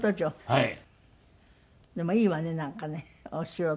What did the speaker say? はい。